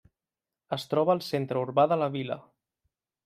Es troba al centre urbà de la vila.